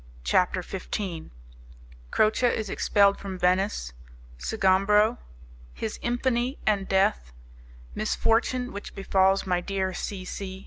CHAPTER XV Croce Is Expelled From Venice Sgombro His Infamy and Death Misfortune Which Befalls My Dear C. C.